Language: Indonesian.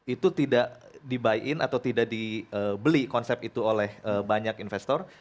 itu tidak dibuy in atau tidak dibeli konsep itu oleh banyak investor